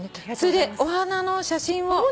それでお花の写真を。